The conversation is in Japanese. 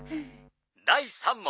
第３問。